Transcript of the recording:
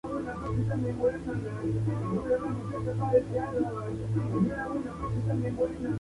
En la actualidad, sólo queda el fondo rocoso y seco de la antigua laguna.